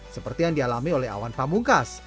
seperti yang dialami oleh awan pamungkas